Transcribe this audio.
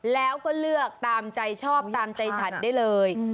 แล้วก็เลือกตามใจชอบตามใจฉันได้เลย